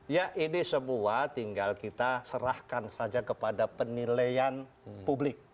ya ini semua tinggal kita serahkan saja kepada penilaian publik